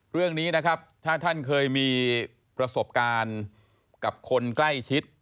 เรื่องนี้นะครับถ้าท่านเคยมีประสบการณ์กับคนใกล้ชิด